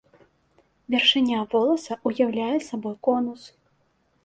Вяршыня воласа ўяўляе сабой конус.